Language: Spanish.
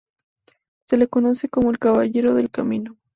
Se lo conoce como "El Caballero del Camino".